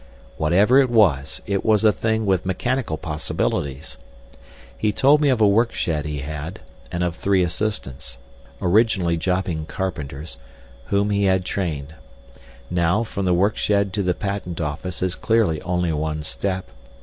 Whatever it was, it was a thing with mechanical possibilities. He told me of a work shed he had, and of three assistants—originally jobbing carpenters—whom he had trained. Now, from the work shed to the patent office is clearly only one step.